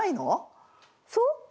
そう？